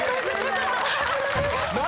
何⁉